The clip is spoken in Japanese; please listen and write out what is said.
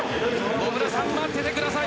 野村さん、待っててください。